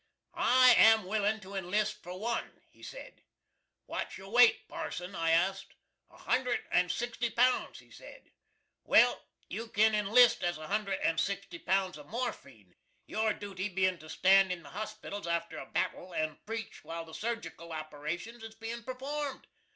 "I am willin' to inlist for one," he said. "What's your weight, parson?" I asked. "A hundred and sixty pounds," he said. "Well, you can inlist as a hundred and sixty pounds of morphine, your dooty bein' to stand in the hospitals arter a battle, and preach while the surgical operations is bein' performed!